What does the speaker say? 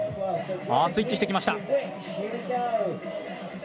スイッチしてきました。